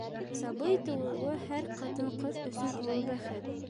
Сабый тыуыуы һәр ҡатын-ҡыҙ өсөн оло бәхет.